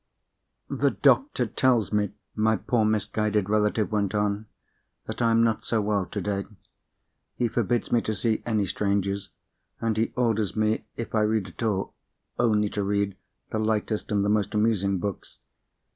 "The doctor tells me," my poor misguided relative went on, "that I am not so well today. He forbids me to see any strangers; and he orders me, if I read at all, only to read the lightest and the most amusing books.